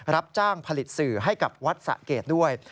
รับจ้างผลิตสื่อให้กับวัดสะเกดด้วย